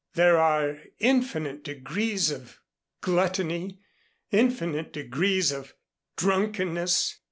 "There are infinite degrees of gluttony infinite degrees of drunkenness.